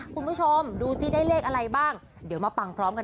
คุณผู้ชมดูสิได้เลขอะไรบ้างเดี๋ยวมาฟังพร้อมกัน